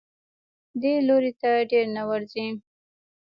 دې لوري ته ډېر نه ورځي.